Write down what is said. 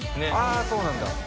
あそうなんだ。